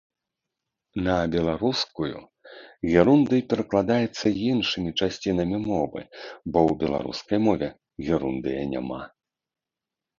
На беларускую герундый перакладаецца іншымі часцінамі мовы, бо ў беларускай мове герундыя няма.